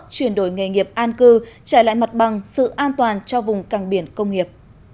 chuyển đổi nghề nghiệp an cư trả lại mặt bằng sự an toàn cho vùng càng biển công nghiệp